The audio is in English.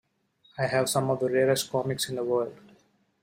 I have some of the rarest comics in the world.